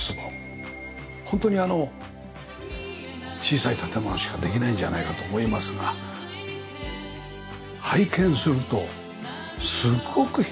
ホントにあの小さい建物しかできないんじゃないかと思いますが拝見するとすっごく広さを感じますよね。